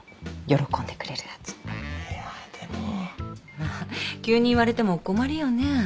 まあ急に言われてもお困りよね。